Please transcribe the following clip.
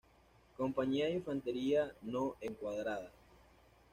Compañía de Infantería No Encuadrada.